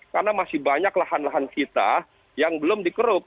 karena masih banyak lahan lahan kita yang belum dikeruk